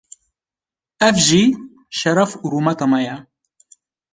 ev jî şeref û rûmeta me ye.